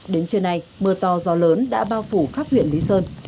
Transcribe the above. đến trưa nay mưa to gió lớn đã bao phủ khắp huyện lý sơn